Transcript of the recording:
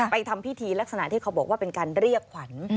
ทำพิธีลักษณะที่เขาบอกว่าเป็นการเรียกขวัญ